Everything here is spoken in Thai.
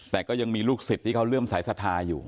แต่ก็ยังมีลูกศิษย์ที่เขาเริ่มสายศรัทธาอยู่